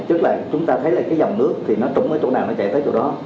tức là chúng ta thấy là cái dòng nước thì nó trùm ở chỗ nào nó chạy tới chỗ đó